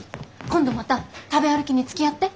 今度また食べ歩きにつきあって。